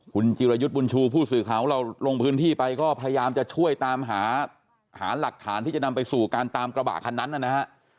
คุณจิรยุทธ์บุญชูผู้สื่อข่าวของเราลงพื้นที่ไปก็พยายามจะช่วยตามหาหาหลักฐานที่จะนำไปสู่การตามกระบะคันนั้นนะฮะ